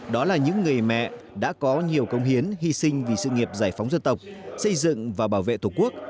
đó là những người mẹ đã có nhiều công hiến hy sinh vì sự nghiệp giải phóng dân tộc xây dựng và bảo vệ tổ quốc